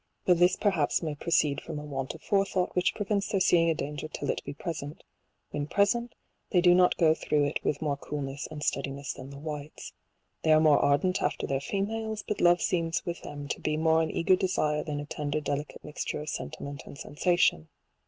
But this perhaps may pro ceed fi'om a want of forethought, which prevents their seeing a danger till it be present. When present, they do not go through it with more coolness and steadiness than the whites. They are more ardent after their females ; but love seems with them to be more an eager desire than a tender delicate mixture of sentiment and sensation.